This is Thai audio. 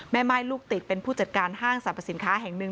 แม่ม่ายลูกติดเป็นผู้จัดการห้างสรรพสินค้าแห่งหนึ่ง